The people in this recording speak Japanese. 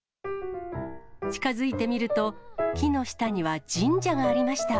近づいてみると、木の下には神社がありました。